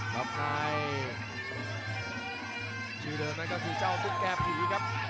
ครับนายชื่อเดิมนั่นก็คือเจ้าตุ๊กแก่ผีครับ